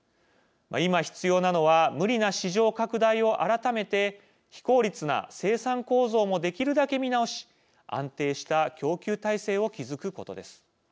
今、必要なのは無理な市場拡大を改めて非効率な生産構造もできるだけ見直し安定した供給体制を築くことです。